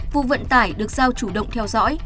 vụ vận tải được giao chủ động theo dõi